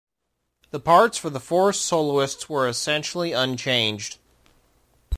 The parts for the four soloists were essentially unchanged.